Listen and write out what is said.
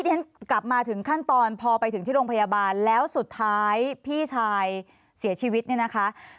ฉันกลับมาถึงขั้นตอนพอไปถึงที่โรงพยาบาลแล้วสุดท้ายพี่ชายเสียชีวิตเนี่ยนะคะ